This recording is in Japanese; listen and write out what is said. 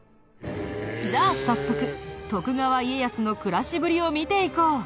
じゃあ早速徳川家康の暮らしぶりを見ていこう。